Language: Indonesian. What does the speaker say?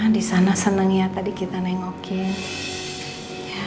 di sana seneng ya tadi kita nengokin